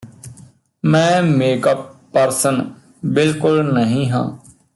ਮੈਂ makeup person ਬਿਲਕੁਲ ਨਹੀਂ ਹਾਂ